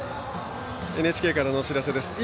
ＮＨＫからのお知らせです。